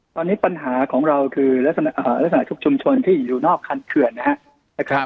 ตอนนี้ปัญหาของเราคือลักษณะทุกชุมชนที่อยู่นอกคันเขื่อนนะครับ